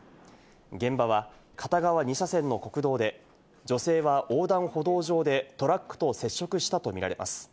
現場は片側２車線の国道で、女性は横断歩道上でトラックと接触したとみられます。